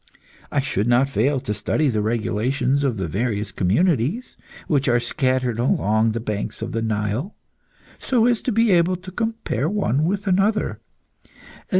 I should not fail to study the regulations of the various communities which are scattered along the banks of the Nile, so as to be able to compare one with another.